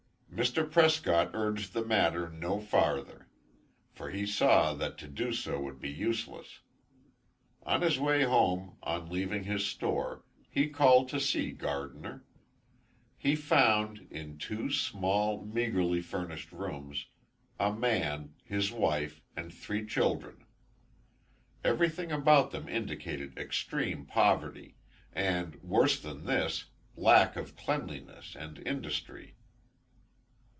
Mr. Prescott urged the matter no farther, for he saw that to do so would be useless. On his way home, on leaving his store, he called to see Gardiner. He found, in two small, meagerly furnished rooms, a man, his wife, and three children. Everything about them indicated extreme poverty; and, worse than this, lack of cleanliness and industry.